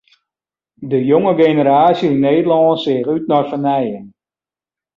De jonge generaasje yn Nederlân seach út nei fernijing.